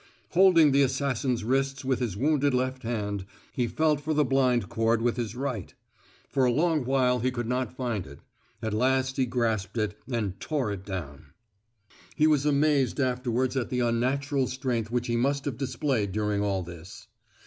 Holding the assassin's wrist with his wounded left hand, he felt for the blind cord with his right. For a long while he could not find it; at last he grasped it, and tore it down. He was amazed afterwards at the unnatural strength which he must have displayed during all this.